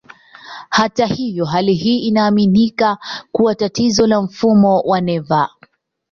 Hata hivyo, hali hii inaaminika kuwa tatizo la mfumo wa neva.